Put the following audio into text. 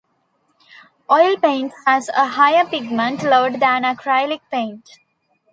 Oil paint has a higher pigment load than acrylic paint.